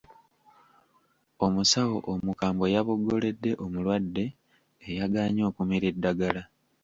Omusawo omukambwe yaboggoledde omulwadde eyagaanye okumira eddagala.